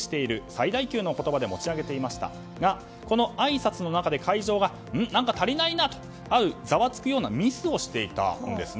最大級の言葉で持ち上げていましたがあいさつの中でん？何か足りないな？と会場がざわつくようなミスをしていたんです。